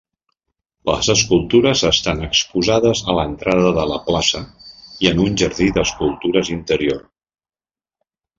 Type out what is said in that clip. Les escultures estan exposades a l'entrada de la plaça i en un jardí d'escultures interior.